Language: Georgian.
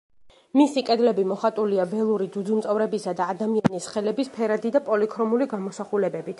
მისი კედლები მოხატულია ველური ძუძუმწოვრებისა და ადამიანის ხელების ფერადი და პოლიქრომული გამოსახულებებით.